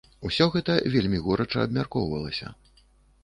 Усё гэта вельмі горача абмяркоўвалася.